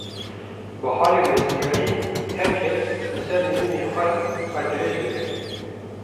bi halê westiyayê her kes li ser nivînên xwe, xwe dirêj dikir.